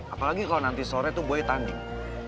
apalagi kalau nanti sore tuh boy tanding